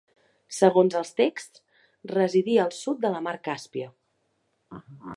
Segons els texts residia al sud de la mar Càspia.